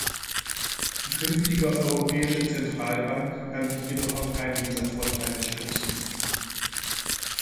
Die künftige Europäische Zentralbank kann sich jedoch auf keinen dieser Vorteile stützen.